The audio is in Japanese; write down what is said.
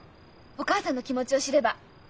お母さんの気持ちを知れば。